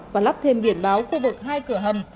và lắp thêm biển báo khu vực hai cửa hầm